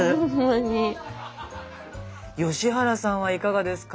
吉原さんはいかがですか？